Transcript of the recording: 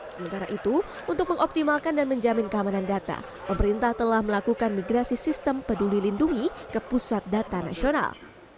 sementara itu untuk mengoptimalkan dan menjamin keamanan data pemerintah telah melakukan migrasi sistem peduli lindungi ke pusat data nasional